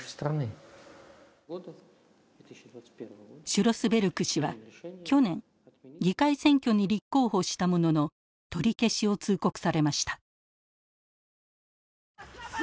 シュロスベルク氏は去年議会選挙に立候補したものの取り消しを通告されました。